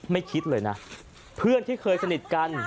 คิดเลยนะเพื่อนที่เคยสนิทกัน